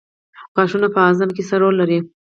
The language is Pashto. غاښونه په هاضمه کې څه رول لري